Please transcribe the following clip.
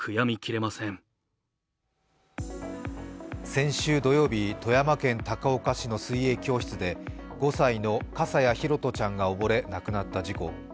先週土曜日、富山県高岡市の水泳教室で５歳の笠谷拓杜ちゃんが溺れ亡くなった事故。